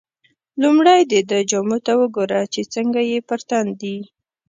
لومړی دده جامو ته وګوره چې څنګه یې پر تن دي.